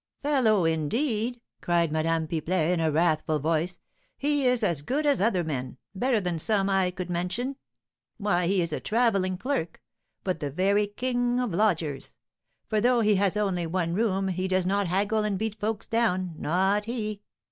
"Fellow, indeed!" cried Madame Pipelet, in a wrathful voice; "he is as good as other men, better than some I could mention. Why, he is a travelling clerk, but the very king of lodgers; for, though he has only one room, he does not haggle and beat folks down, not he.